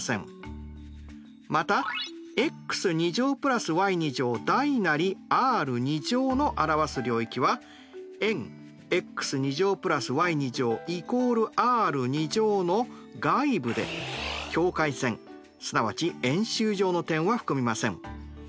またｘ＋ｙｒの表す領域は円ｘ＋ｙ＝ｒの外部で境界線すなわち円周上の点は含みません。